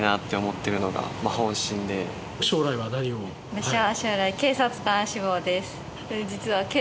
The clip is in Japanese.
私は将来警察官志望です。